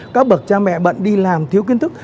các bậc cha mẹ bận đi làm thiếu kiến thức